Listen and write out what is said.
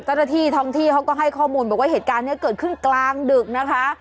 เจ้าหน้าที่ท้องที่เขาก็ให้ข้อมูลบอกว่าเหตุการณ์นี้เกิดขึ้นกลางดึกนะคะ